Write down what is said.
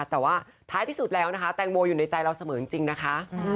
แต่ว่าท้ายที่สุดแล้วนะคะแตงโมอยู่ในใจเราเสมอจริงนะคะ